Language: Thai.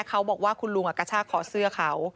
เขาบอกว่าคุณลุงกระชากขอเสื้อเขา